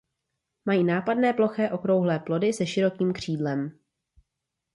Mají nápadné ploché okrouhlé plody se širokým křídlem.